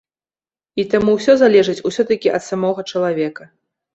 І таму ўсё залежыць усё-такі ад самога чалавека.